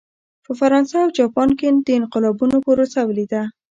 په فرانسه او جاپان کې د انقلابونو پروسه ولیده.